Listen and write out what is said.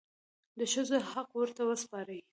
د ښځو حق ورته وسپارئ.